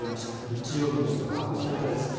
日曜日としては過去最多です。